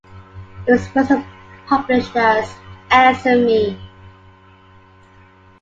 It was first published as Answer Me!